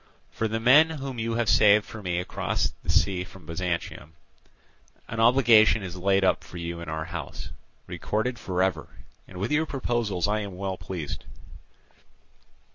For the men whom you have saved for me across sea from Byzantium, an obligation is laid up for you in our house, recorded for ever; and with your proposals I am well pleased.